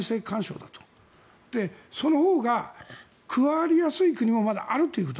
そのほうが加わりやすい国もあると。